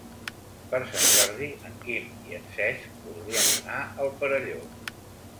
Per Sant Jordi en Quim i en Cesc voldrien anar al Perelló.